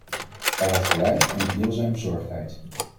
Hij had gelijk en ik deel zijn bezorgdheid.